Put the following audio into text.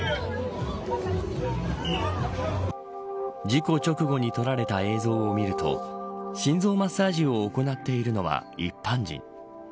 事故直後に撮られた映像を見ると心臓マッサージを行っているのは一般人。